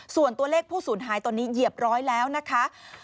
ส่วนตัวเลขผู้สูญหายตอนนี้เหยียบร้อยแล้วนะคะ